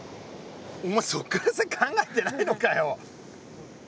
お前そっから先考えてないのかよ！